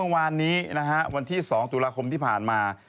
วันที่๒ตุลาคมที่ผ่านมา